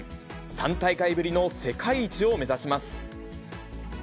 ３大会ぶりの世界一を目指します。